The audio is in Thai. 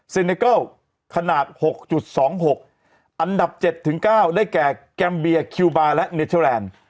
เนเกิลขนาด๖๒๖อันดับ๗๙ได้แก่แกมเบียคิวบาร์และเนเทอร์แลนด์